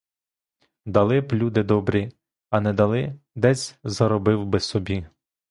Дали б люди добрі, а не дали, десь заробив би собі.